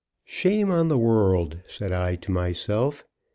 Shame on the world! said I to myself.